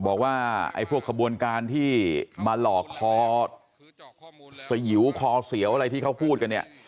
บอกว่าไอ้พวกขบวนการที่มาหลอกคอสยิวคอเสียวอะไรที่เขาพูดกันเนี่ย